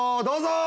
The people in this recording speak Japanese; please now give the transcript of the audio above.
どうぞ！